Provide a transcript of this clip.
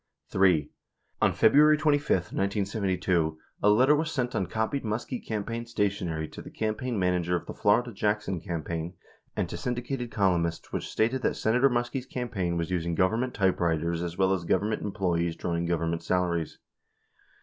3. On February 25. 1972, a letter was sent on copied Muskie cam paign stationery to the campaign manager of the Florida Jackson campaign and to syndicated columnists which stated that Senator Muskie's campaign was using Government typewriters as well as Government employees drawing Government salaries.